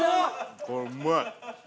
これうまい。